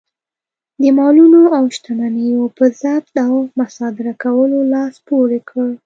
د مالونو او شتمنیو په ضبط او مصادره کولو لاس پورې کړ.